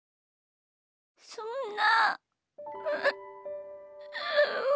そんな。